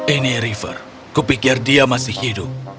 ini river kupikir dia masih hidup